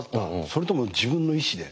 それとも自分の意思で？